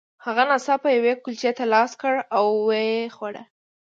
هغه ناڅاپه یوې کلچې ته لاس کړ او ویې خوړه